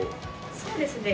そうですね。